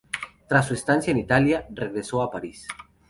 Tras su estancia en Italia, regresó a París.